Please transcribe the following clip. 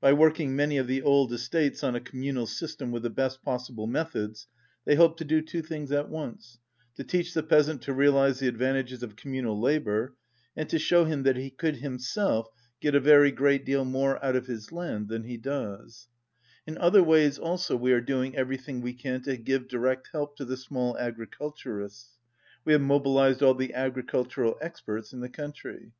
By working many of the old estates on a communal system with the best possible methods they hoped to do two things at once : to teach the peasant to realize the advantages of communal labour, and to show him that he could himself get a very great deal more out of his land than he doesj "In other ways also we are doing everything we can to give direct help to the small agriculturists. We have mobilized all the agricultural experts in the country.